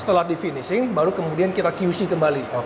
setelah penutupan kemudian kita qc kembali